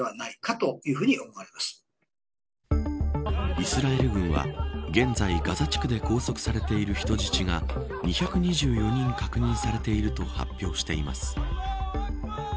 イスラエル軍は現在ガザ地区で拘束されている人質が２２４人確認されていると発表しています。